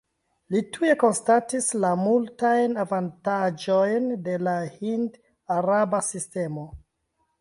Li tuj konstatis la multajn avantaĝojn de la hind-araba sistemo.